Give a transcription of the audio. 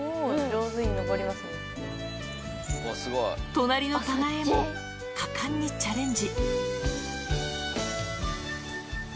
隣の棚へも、果敢にチャレンジ。